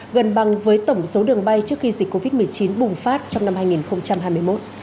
gần bằng với tổng số đường bay trước khi dịch covid một mươi chín bùng phát trong năm hai nghìn hai mươi một